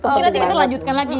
jadi nanti kita lanjutkan lagi